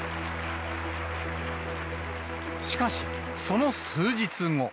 しかし、その数日後。